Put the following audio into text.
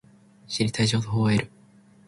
知りたい情報を得る